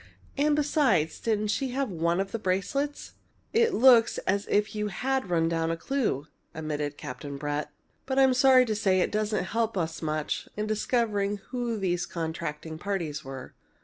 And besides, didn't she have one of the bracelets?" "It looks as if you had run down a clue," admitted Captain Brett. "But I'm sorry to say it doesn't help us much in discovering who these contracting parties were.